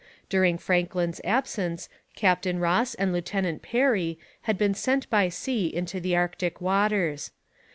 During Franklin's absence Captain Ross and Lieutenant Parry had been sent by sea into the Arctic waters.